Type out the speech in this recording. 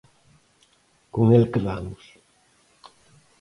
Con el quedamos.